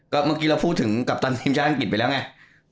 เมื่อกี้เราพูดถึงกัปตันทีมชาติอังกฤษไปแล้วไง